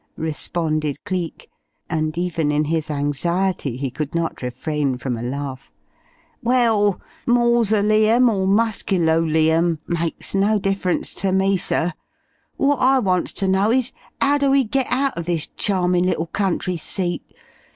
responded Cleek, and even in his anxiety he could not refrain from a laugh. "Well, mausoleum or muskiloleum makes no difference to me, sir. What I wants ter know is 'ow do we get out of this charmin' little country seat?